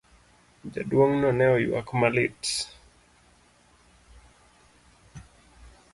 Jaduong'no ne oywak malit.